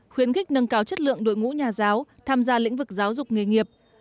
khuyến khích nâng cao chất lượng đội ngũ nhà giáo tham gia lĩnh vực giáo dục nghề nghiệp